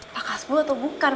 pelakunya lakas atau tidak